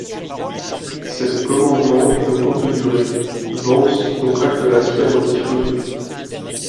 Cette commandement est de courte durée, Vance contracte la fièvre typhoïde.